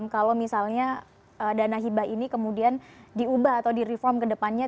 kalau misalnya dana hibah ini kemudian diubah atau di reform ke depannya